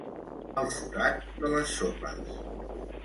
El forat de les sopes.